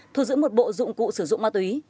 thu giữ một bộ dụng cụ sử dụng ma túy